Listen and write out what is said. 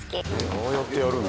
ああやってやるんだ。